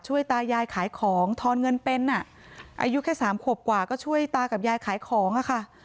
ตายายขายของทอนเงินเป็นอ่ะอายุแค่สามขวบกว่าก็ช่วยตากับยายขายของอะค่ะ